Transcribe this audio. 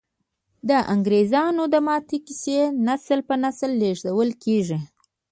د انګریزامو د ماتې کیسې نسل په نسل لیږدول کیږي.